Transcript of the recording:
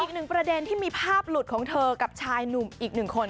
อีกหนึ่งประเด็นที่มีภาพหลุดของเธอกับชายหนุ่มอีกหนึ่งคน